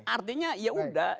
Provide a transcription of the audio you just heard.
artinya ya udah